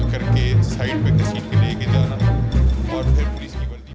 berita terkini mengenai cuaca ekstrem dua ribu dua puluh satu